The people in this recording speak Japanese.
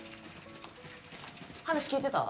話聞いてた？